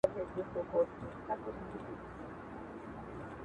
د بیلتانه د عمر هره شېبه